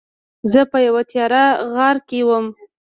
زه په یوه تیاره غار کې وم.